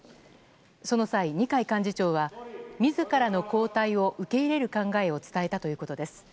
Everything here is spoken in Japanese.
その際、二階幹事長は自らの交代を受け入れる考えを伝えたということです。